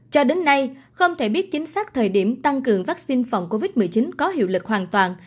cho đến nay không thể biết chính xác thời điểm tăng cường vaccine phòng covid một mươi chín có hiệu lực hoàn toàn